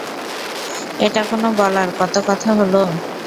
এটা কোনো বলার কতো কথা হলো?